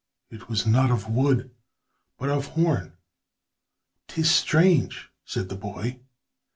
It was not of wood, but of horn. "'Tis strange," said the boy.